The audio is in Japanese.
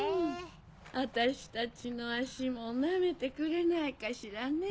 私たちの足もなめてくれないかしらねぇ。